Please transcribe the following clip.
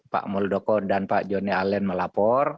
pak muldoko dan pak joni allen melapor